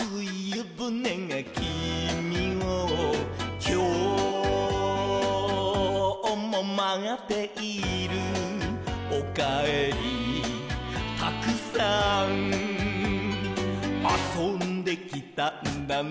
「きょうもまっている」「おかえりたくさん」「あそんできたんだね」